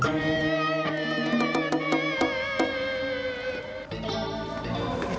hati hati di jalan